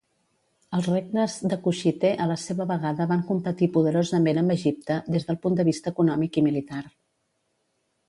Els regnes de Kushite a la seva vegada van competir poderosament amb Egipte des del punt de vista econòmic i militar.